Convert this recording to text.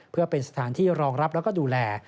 เพื่อเป็นสถานที่รองรับแล้วก็ดูแล